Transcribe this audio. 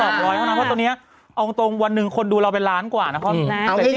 เพราะตอนนี้เอาตรงวันหนึ่งคนดูเราเป็นล้านกว่านะครับ